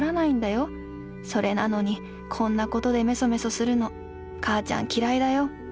それなのにこんなことでめそめそするの母ちゃん嫌いだよ。